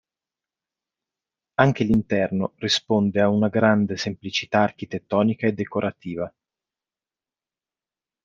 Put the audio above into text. Anche l'interno risponde ad una grande semplicità architettonica e decorativa.